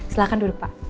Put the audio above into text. silahkan duduk pak